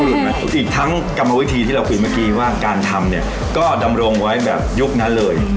และทั้งกรรมวิธีที่เราพูดว่าการทำก็ดำรวมไว้แบบยุคนั้นเลย